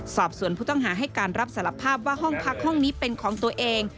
สอบส่วนผู้ต้องหาให้การรับสารภาพว่าห้องพักห้องนี้เป็นของตัวเอง